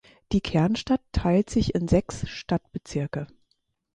Die Kernstadt teilt sich in sechs Stadtbezirke.